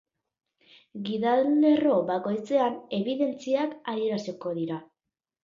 Gidalerro bakoitzean ebidentziak adieraziko dira.